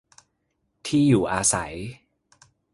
ที่อยู่อาศัย